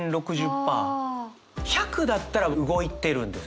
１００だったら動いてるんですよね。